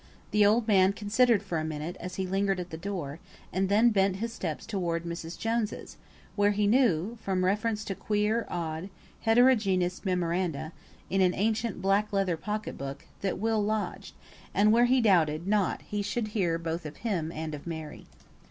The old man considered for a minute as he lingered at the door, and then bent his steps towards Mrs. Jones's, where he knew (from reference to queer, odd, heterogeneous memoranda, in an ancient black leather pocket book) that Will lodged, and where he doubted not he should hear both of him and of Mary.